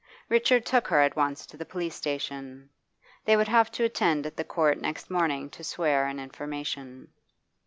Richard took her at once to the police station. They would have to attend at the court next morning to swear an information.